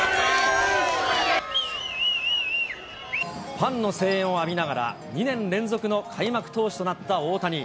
ファンの声援を浴びながら、２年連続の開幕投手となった大谷。